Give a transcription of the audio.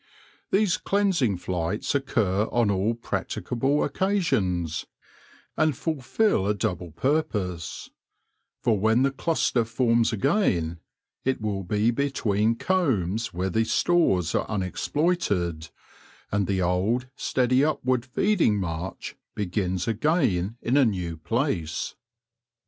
These cleansing flights occur on all practicable occasions, and fulfil a double purpose ; for when the cluster forms again, it will be between combs where the EARLY WORK IN THE BEE CITY 63 stores are unexploited, and the old, steady, upward feeding march begins again in a new place.